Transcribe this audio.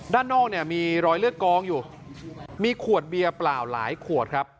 ด้านนอกเนี่ยมีรอยเลือดกองอยู่มีขวดเบียร์เปล่าหลายขวดครับ